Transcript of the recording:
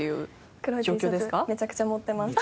めちゃくちゃ持ってます。